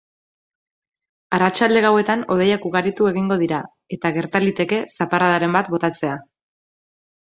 Arratsalde gauetan hodeiak ugaritu egingo dira eta gerta liteke zaparradaren bat botatzea.